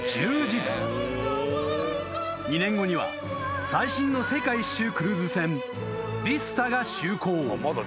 ［２年後には最新の世界一周クルーズ船ＶＩＳＴＡが就航］